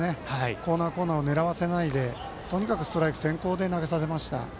コーナー、コーナーを狙わせないでとにかくストライク先行で投げさせました。